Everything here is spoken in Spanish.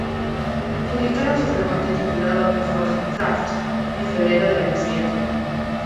Publicaron su reporte, titulado "Informe Kraft", en febrero del año siguiente.